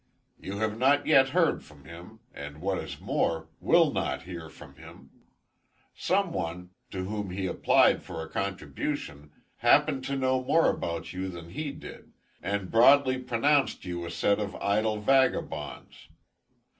You have not yet heard from him, and what is more, will not hear from him. Some one, to whom he applied for a contribution happened to know more about you than he did, and broadly pronounced you a set of idle vagabonds.